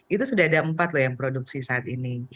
itu sudah ada empat loh yang produksi saat ini